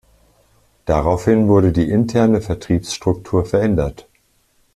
Daraufhin wurde die interne Vertriebsstruktur verändert.